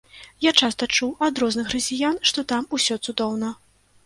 Я часта чуў ад розных расіян, што там ўсё цудоўна.